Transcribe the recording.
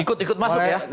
ikut ikut masuk ya